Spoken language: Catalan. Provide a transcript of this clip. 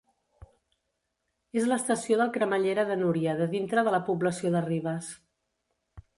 És l'estació del cremallera de Núria de dintre de la població de Ribes.